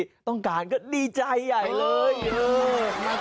แล้วน้องคนนี้ก็เหมือนคนที่มาดูแล้วก็ขอเพลงอะไรแบบนี้